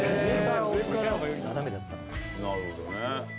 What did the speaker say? なるほどね。